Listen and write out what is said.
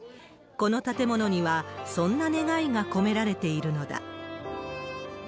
この建物には、そんな願いが込められているのだ。